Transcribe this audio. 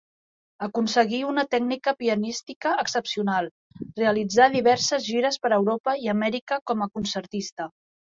Aconseguí una tècnica pianística excepcional; realitzà diverses gires per Europa i Amèrica com a concertista.